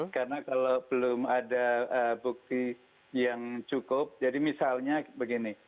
karena kalau belum ada bukti yang cukup jadi misalnya begini